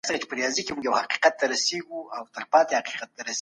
د اقتصادي مرستې غوښتنه قانوني ده.